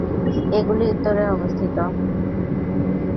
এগুলি উত্তরে অবস্থিত।